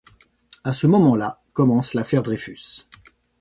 À ce moment-là commence l'affaire Dreyfus.